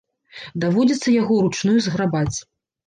Даводзіцца яго ўручную зграбаць.